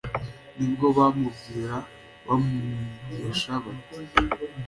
; ni bwo bamubwira bamwigisha, bati:“